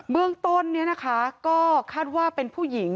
เบื้องต้นก็คาดว่าเป็นผู้หญิง